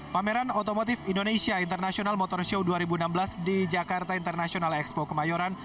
pameran otomotif indonesia international motor show dua ribu enam belas di jakarta international expo kemayoran